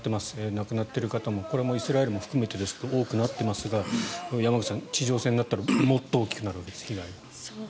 亡くなっている方もこれもイスラエルも含めて多くなっていますが山口さん、地上戦になったらもっと大きくなります被害は。